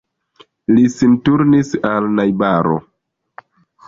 Li sin turnis al najbaro.